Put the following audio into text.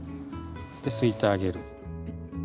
ですいてあげる。